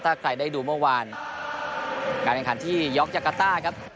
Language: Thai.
ถ้าใครได้ดูเมื่อวานการแข่งขันที่ยอกจากาต้าครับ